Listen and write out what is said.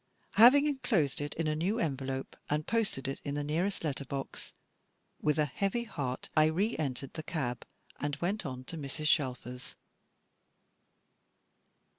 Having enclosed it in a new envelope, and posted it in the nearest letter box, with a heavy heart I re entered the cab, and went on to Mrs. Shelfer's.